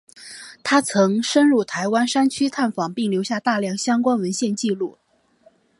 他曾深入台湾山区探访并留下大量相关文献纪录。